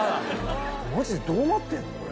マジでどうなってんのこれ。